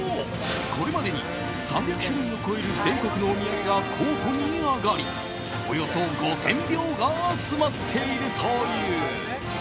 これまでに３００種類を超える全国のお土産が候補に挙がりおよそ５０００票が集まっているという。